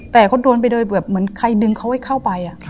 แต่เขาโดนไปโดยแบบเหมือนใครดึงเขาให้เข้าไป